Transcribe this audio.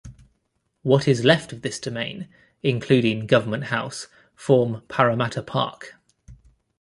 What is left of this domain, including Government House, form Parramatta Park.